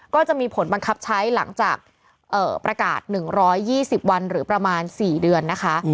ก็จะมีผลบังคับใช้หลังจากประกาศ๑๒๐วันหรือประมาณ๔เดือนนะคะ